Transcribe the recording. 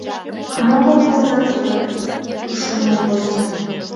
— Мо кок тылзат пеле? — ыш умыло Костя.